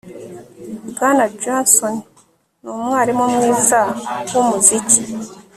Bwana Johnson numwarimu mwiza wumuziki